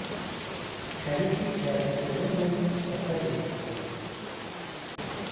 خەریکی پیاسە کردن بووم کە سەگێکم دیت